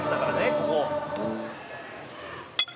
ここ」